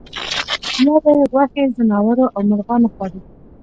یا به یې غوښې ځناورو او مرغانو وخوړې.